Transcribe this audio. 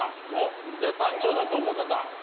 じゃあ短調だと思う方。